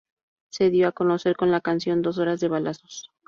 Se dio a conocer con la canción "Dos horas de balazos".